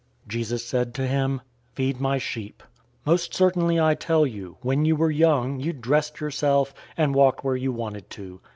Jesus said to him, "Feed my sheep. 021:018 Most certainly I tell you, when you were young, you dressed yourself, and walked where you wanted to.